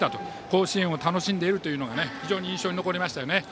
甲子園を楽しんでいるというのが非常に印象に残りました。